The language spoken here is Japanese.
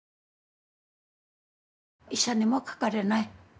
医者にもかかれない。